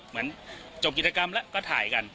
เหมือนจบกิจกรรมแล้วก็ถ่ายกัน